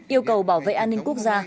yêu cầu bảo vệ an ninh quốc gia